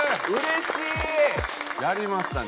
やりましたね。